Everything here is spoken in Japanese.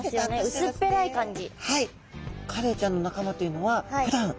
薄っぺらい感じ。